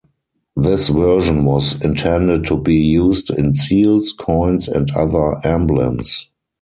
This version was intended to be used in seals, coins and other emblems.